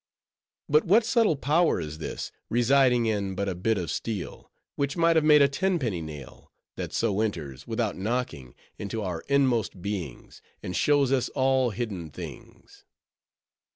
But what subtle power is this, residing in but a bit of steel, which might have made a tenpenny nail, that so enters, without knocking, into our inmost beings, and shows us all hidden things?